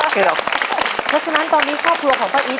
เพราะฉะนั้นตอนนี้ครอบครัวของป้าอีท